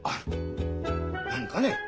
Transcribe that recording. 何かねえ？